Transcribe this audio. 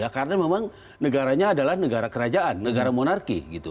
karena memang negaranya adalah negara kerajaan negara monarki